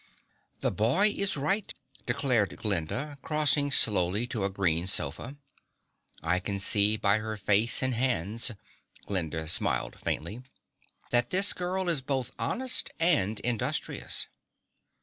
"The boy is right," declared Glinda, crossing slowly to a green sofa. "I can see by her face and hands " Glinda smiled faintly "that this girl is both honest and industrious."